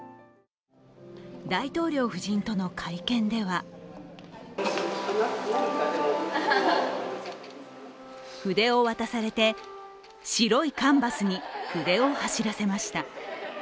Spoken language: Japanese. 大統領夫人との会見では筆を渡されて白いキャンバスに描きました。